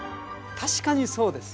確かにそうです。